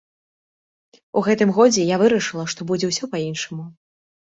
У гэтым годзе я вырашыла, што будзе ўсё па-іншаму.